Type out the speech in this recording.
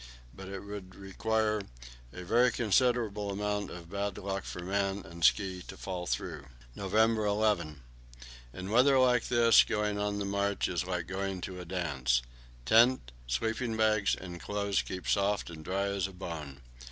But it would require a very considerable amount of bad luck for man and ski to fall through. November 11. In weather like this, going on the march is like going to a dance: tent, sleeping bags, and clothes keep soft and dry as a bone.